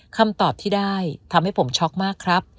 คำตอบที่ได้ทำให้ผมช็อกมากครับ